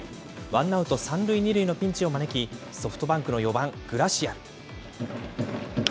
ワンアウト３塁２塁のピンチを招き、ソフトバンクの４番グラシアル。